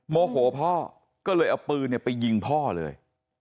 โมโหพ่อก็เลยเอาปืนไปยิงพ่อเลย